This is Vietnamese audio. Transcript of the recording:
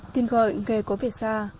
tin gọi nghề có vẻ xa